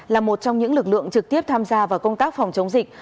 là một trong những lực lượng trực tiếp tham gia vào công tác phòng chống dịch